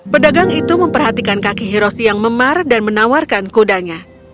pedagang itu memperhatikan kaki hiroshi yang memar dan menawarkan kudanya